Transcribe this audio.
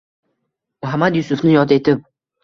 Muhammad Yusufni yod etib